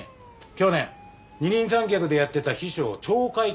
去年二人三脚でやってた秘書を懲戒解雇にしてます。